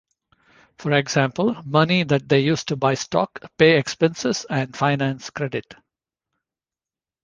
For example, money that they use to buy stock, pay expenses and finance credit.